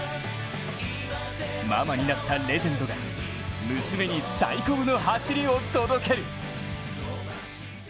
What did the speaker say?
ママになったレジェンドが娘に最高の走りを届ける。